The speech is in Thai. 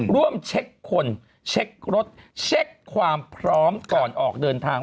ร่วมเช็คคนเช็ครถเช็คความพร้อมก่อนออกเดินทาง